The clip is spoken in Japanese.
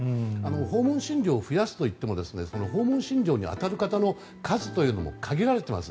訪問診療を増やすといっても訪問診療に当たる方の数というのも限られています。